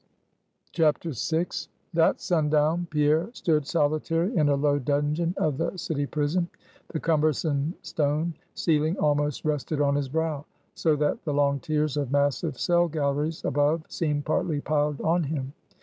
VI. That sundown, Pierre stood solitary in a low dungeon of the city prison. The cumbersome stone ceiling almost rested on his brow; so that the long tiers of massive cell galleries above seemed partly piled on him.